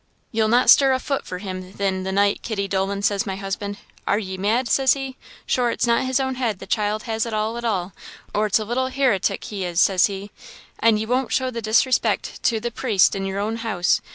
'Ye'll not stir a fut for him, thin, the night, Kitty Dolan,' says my husband 'are ye mad,' says he; 'sure it's not his own head the child has at all at all, or it's a little hiritic he is,' says he; 'an' ye won't show the disrespect to the praist in yer own house.'